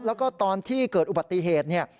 แล้วก็ตอนที่เกิดอุบัติเหตุเนี่ย